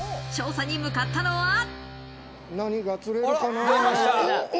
調査に向かったのは。